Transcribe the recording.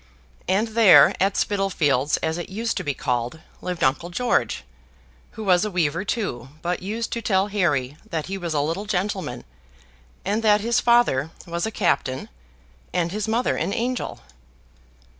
And there, at Spittlefields, as it used to be called, lived Uncle George, who was a weaver too, but used to tell Harry that he was a little gentleman, and that his father was a captain, and his mother an angel.